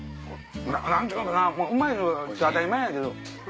何ちゅうかなうまいの当たり前やけど。